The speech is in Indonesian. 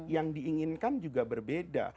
yang diinginkan juga berbeda